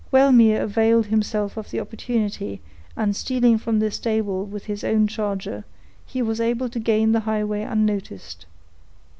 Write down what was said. Wellmere availed himself of the opportunity, and, stealing from the stable with his own charger, he was able to gain the highway unnoticed.